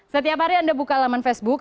setiap hari anda buka laman facebook